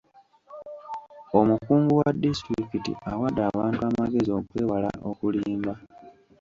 Omukungu wa disitulikiti awadde abantu amagezi okwewala okulimba.